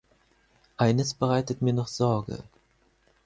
Eines bereitet mir noch Sorge.